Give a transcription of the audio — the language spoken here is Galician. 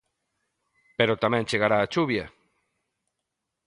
Pero tamén chegará a chuvia.